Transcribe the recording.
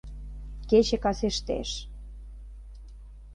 Кече касештеш...